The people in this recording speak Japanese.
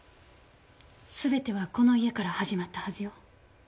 全てはこの家から始まったはずよ。